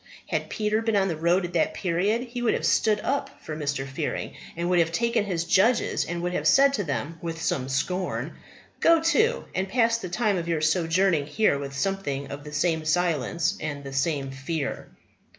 Had Peter been on the road at that period he would have stood up for Mr. Fearing, and would have taken his judges and would have said to them, with some scorn Go to, and pass the time of your sojourning here with something of the same silence and the same fear!